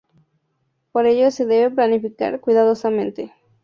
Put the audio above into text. Por ello se debe planificar cuidadosamente.